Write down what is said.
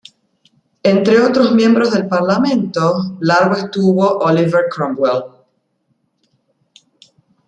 Entre otros miembros del Parlamento largo estuvo Oliver Cromwell.